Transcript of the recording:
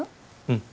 うん。